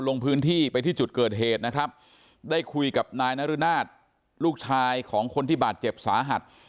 ลงพื้นที่ไปที่จุดเกิดเหตุนะครับได้คุยกับนายนรุนาศลูกชายของคนที่บาดเจ็บสาหัส